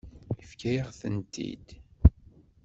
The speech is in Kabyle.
Yefka-yaɣ-tent-id.